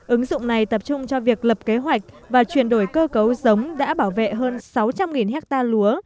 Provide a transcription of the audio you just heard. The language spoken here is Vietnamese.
ứng dụng này tập trung cho việc lập kế hoạch và chuyển đổi cơ cấu giống đã bảo vệ hơn sáu trăm linh hectare lúa